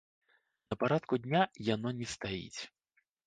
На парадку дня яно не стаіць.